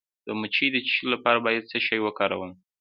د مچۍ د چیچلو لپاره باید څه شی وکاروم؟